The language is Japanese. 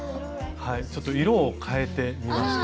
ちょっと色をかえてみました。